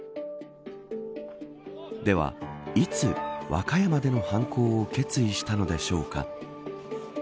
では、いつ和歌山での犯行を決意したのでしょうか。